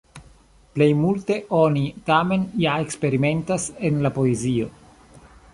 Plej multe oni tamen ja eksperimentas en la poezio.